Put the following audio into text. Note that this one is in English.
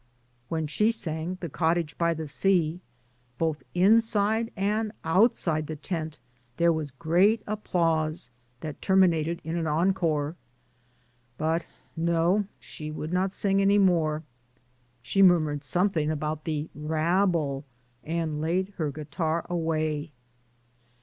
. When she sang 'The Cottage by the Sea," both inside and outside the tent, there was great applause that terminated in an encore. But no, she would not sing any more; she murmured something about the rabble, and laid her guitar away.